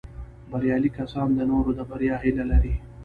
بریالي کسان د نورو د بریا هیله لري